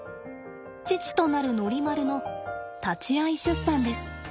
父となるノリマルの立ち会い出産です。